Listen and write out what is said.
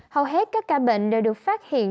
hầu hết các ca bệnh đều được phát hiện